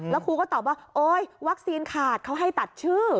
แล้วครูก็ตอบว่าโอ๊ยวัคซีนขาดเขาให้ตัดชื่อ